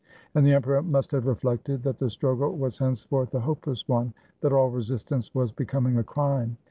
And the emperor must have reflected that the struggle was henceforth a hopeless one, that all resistance was be coming a crime.